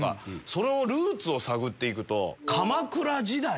そのルーツを探って行くと。